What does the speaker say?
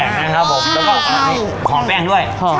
นะครับผมพี่อยากขอแป้งด้วยเข้า